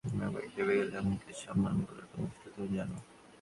আমি একবার ক্ষেপে গেলে আমাকে সামলানো কতোটা মুশকিল তুমি জানো।